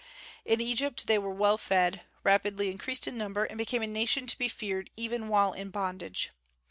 In Egypt they were well fed, rapidly increased in number, and became a nation to be feared even while in bondage.